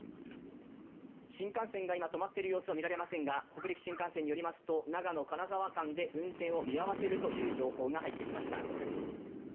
新幹線が今止まっている様子は見られませんが北陸新幹線、長野−金沢間で運転を見合わせる情報が入ってきました。